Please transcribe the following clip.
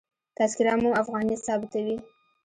تذکره مو افغانیت ثابتوي.